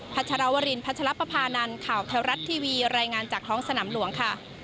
ชรวรินพัชรปภานันข่าวไทยรัฐทีวีรายงานจากท้องสนามหลวงค่ะ